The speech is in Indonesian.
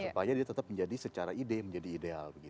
supaya dia tetap menjadi secara ide menjadi ideal